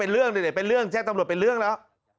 เรื่องเป็นเรื่องแจ้งตำรวจเป็นเรื่องแล้ว